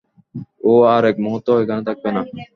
ও আর এক মুহূর্তও এখানে থাকবে না।